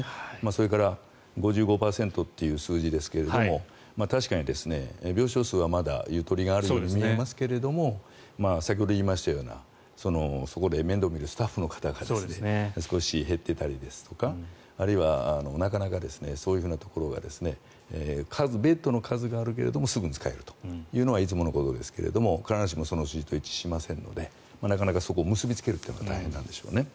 それから５５％という数字ですけれども確かに、病床数はまだゆとりがあるように見えますが先ほど言いましたようなそこで面倒を見るスタッフの方が少し減っていたりですとかあるいはなかなかそういうところがベッドの数はあるけれどもすぐ使えないというかいつものことですが必ずしもその数字と一致しませんのでなかなかそこを結びつけるのが大変なんでしょうね。